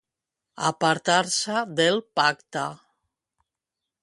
Apartar-se del pacte.